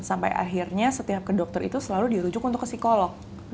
sampai akhirnya setiap ke dokter itu selalu dirujuk untuk ke psikolog